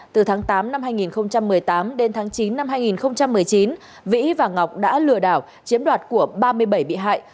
từ tháng tám năm hai nghìn một mươi tám đến tháng chín năm hai nghìn một mươi chín vĩ và ngọc đã lừa đảo chiếm đoạt của ba mươi bảy bị hại